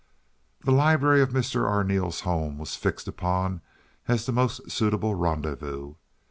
The library of Mr. Arneel's home was fixed upon as the most suitable rendezvous.